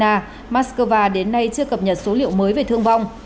nga moscow đến nay chưa cập nhật số liệu mới về thương vong